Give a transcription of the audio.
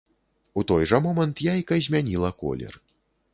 У той жа момант яйка змяніла колер.